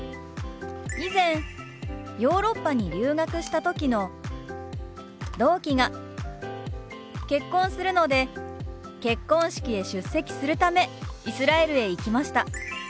以前ヨーロッパに留学した時の同期が結婚するので結婚式へ出席するためイスラエルへ行きました。